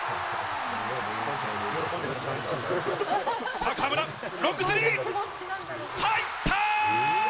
さあ、河村、ロックスリー、入ったー！